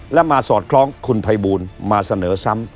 และมาสอดคล้องคุณภัยบูลมาเสนอซ้ำ